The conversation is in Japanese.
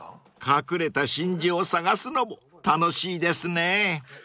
［隠れた真珠を探すのも楽しいですね］